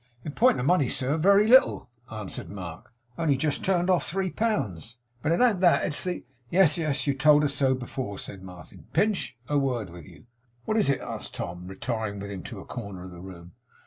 'In point of money, sir, very little,' answered Mark. 'Only just turned of three pounds. But it an't that; it's the ' 'Yes, yes, you told us so before,' said Martin. 'Pinch, a word with you.' 'What is it?' asked Tom, retiring with him to a corner of the room.